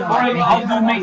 anda hanya meletakkan air